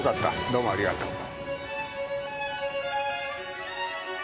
どうもありがとう。